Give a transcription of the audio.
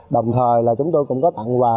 đồng thời là chúng tôi cũng có tặng quà